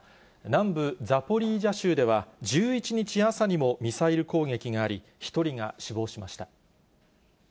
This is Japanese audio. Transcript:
南部ザポリージャ州では、１１日朝にもミサイル攻撃があり、１人が死亡しました。